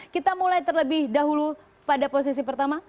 kita mulai terlebih dahulu pada posisi pertama